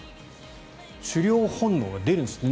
狩猟本能が出るんですかね。